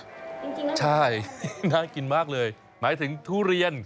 จริงนะใช่น่ากินมากเลยหมายถึงทุเรียน